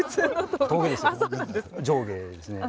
上下ですね。